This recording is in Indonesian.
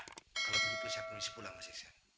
kalau begitu saya komisi pulang mas iksan